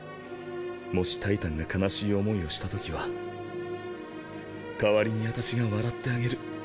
もしタイタンが悲しい思いをしたときは代わりに私が笑ってあげる。